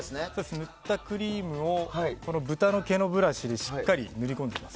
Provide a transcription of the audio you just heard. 塗ったクリームをブタの毛のブラシでしっかりと塗り込んでいきます。